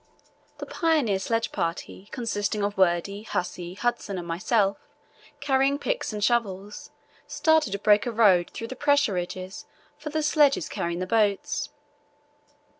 The pioneer sledge party, consisting of Wordie, Hussey, Hudson, and myself, carrying picks and shovels, started to break a road through the pressure ridges for the sledges carrying the boats.